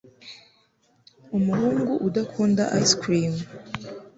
umuhungu udakunda ice cream